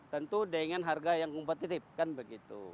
tentu dengan harga yang kompetitif kan begitu